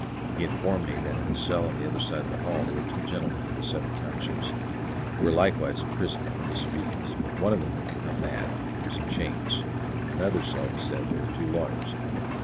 He informed me that in the cell on the other side of the hall there were two gentlemen of the "Seven Townships," who were likewise imprisoned for disobedience, but one of them had become mad, and was in chains; in another cell, he said, there were two lawyers.